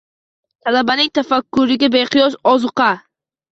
Talabaning tafakkuriga beqiyos ozuqa